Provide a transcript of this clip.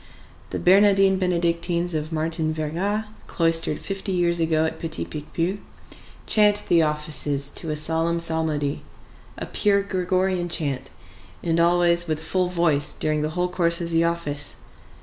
The Bernardines Benedictines of Martin Verga, cloistered fifty years ago at Petit Picpus, chant the offices to a solemn psalmody, a pure Gregorian chant, and always with full voice during the whole course of the office.